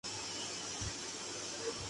یہاں کے سرکاری ہسپتال بہت بہتر ہیں۔